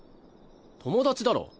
友達だろ。